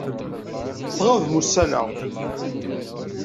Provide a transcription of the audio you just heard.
Tɣabem ussan-a.